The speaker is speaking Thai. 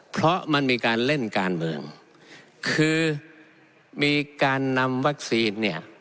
เพราะมันมีการเล่นการเมืองคือมีการนำวัคซีนเนี่ย